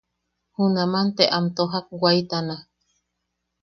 Junaman te am tojak waitana.